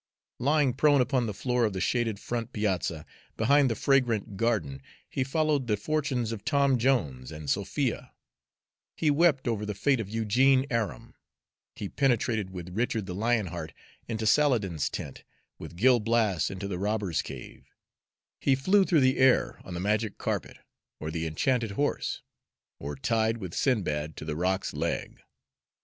Lying prone upon the floor of the shaded front piazza, behind the fragrant garden, he followed the fortunes of Tom Jones and Sophia; he wept over the fate of Eugene Aram; he penetrated with Richard the Lion heart into Saladin's tent, with Gil Blas into the robbers' cave; he flew through the air on the magic carpet or the enchanted horse, or tied with Sindbad to the roc's leg.